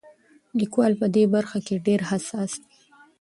لیکوال په دې برخه کې ډېر حساس دی.